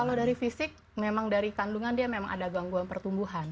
kalau dari fisik memang dari kandungan dia memang ada gangguan pertumbuhan